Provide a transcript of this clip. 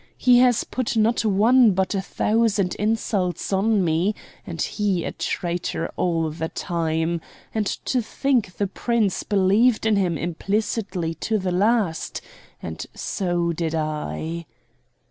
He has put not one but a thousand insults on me and he a traitor all the time. And to think the Prince believed in him implicitly to the last. And so did I."